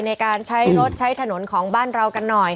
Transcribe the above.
ในการใช้รถใช้ถนนของบ้านเรากันหน่อย